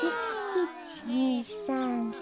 １２３４。